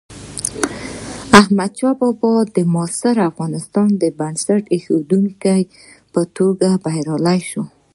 احمدشاه بابا د معاصر افغانستان د بنسټ ایښودونکي په توګه بریالی شو.